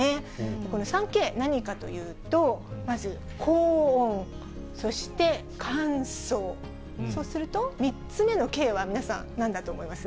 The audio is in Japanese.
この３Ｋ、何かというと、まず高温、そして乾燥、そうすると、３つ目のＫは、皆さん、なんだと思います？